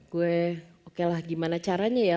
gue okelah gimana caranya ya